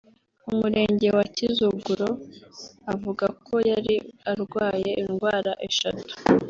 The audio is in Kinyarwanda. Umurenge wa Kizuguro avuga ko yari arwaye indwara eshatu